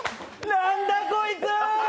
何だこいつ！